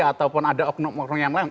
ataupun ada oknok oknok yang lain